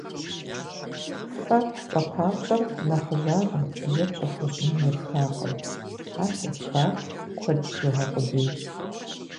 «Фэ» цӏэпапщӏэр нэхъыжьагъым е пщӏэ хуэщӏыным епхакъым, ар зэпхар куэд бжыгъэ къудейщ.